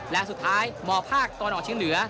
และสุดท้ายมภาคตะวันออกเชียงเหนือ